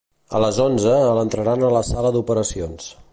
A les onze l'entraran a la sala d'operacions